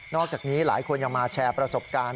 อกจากนี้หลายคนยังมาแชร์ประสบการณ์